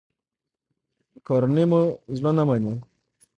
مېکاروني مو زړه نه مني.